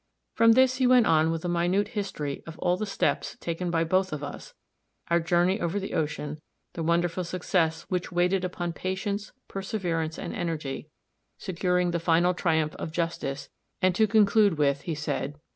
From this he went on with a minute history of all the steps taken by both of us, our journey over the ocean, the wonderful success which waited upon patience, perseverance and energy, securing the final triumph of justice; and, to conclude with, he said, [Illustration: Page 297. "I NEVER ACCUSED YOU."